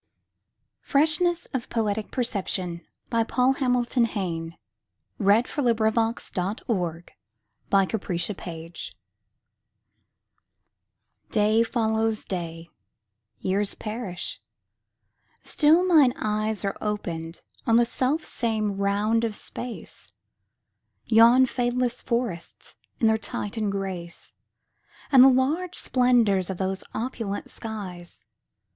Freshness of Poetic Perception Paul Hamilton Hayne (1830–1886) DAY follows day; years perish; still mine eyesAre opened on the self same round of space; Yon fadeless forests in their Titan grace, And the large splendors of those opulent skies.